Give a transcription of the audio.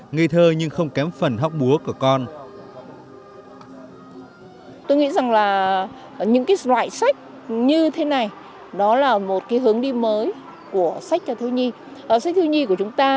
ngây thơ nhưng không kém phần hóc búa của con